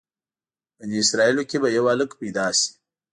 بني اسرایلو کې به یو هلک پیدا شي.